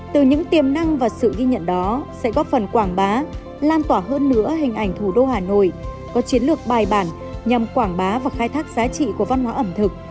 từ những tiềm năng và sự ghi nhận đó sẽ góp phần quảng bá lan tỏa hơn nữa hình ảnh thủ đô hà nội có chiến lược bài bản nhằm quảng bá và khai thác giá trị của văn hóa ẩm thực